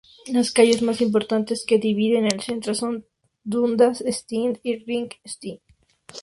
Las calles más importantes que dividen el centro son Dundas street y Richmond street.